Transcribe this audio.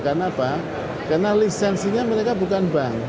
karena apa karena lisensinya mereka bukan bank